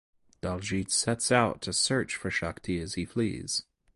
Daljeet sets out to search for Shakti as he flees.